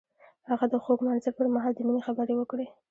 هغه د خوږ منظر پر مهال د مینې خبرې وکړې.